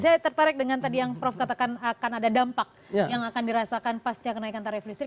saya tertarik dengan tadi yang prof katakan akan ada dampak yang akan dirasakan pasca kenaikan tarif listrik